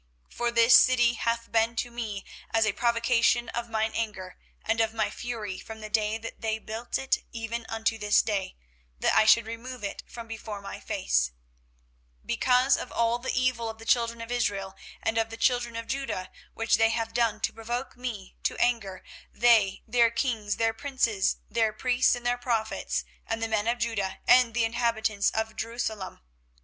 24:032:031 For this city hath been to me as a provocation of mine anger and of my fury from the day that they built it even unto this day; that I should remove it from before my face, 24:032:032 Because of all the evil of the children of Israel and of the children of Judah, which they have done to provoke me to anger, they, their kings, their princes, their priests, and their prophets, and the men of Judah, and the inhabitants of Jerusalem.